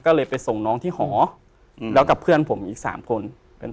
ก็เลยไปส่งน้องที่หอแล้วกับเพื่อนผมอีกสามคน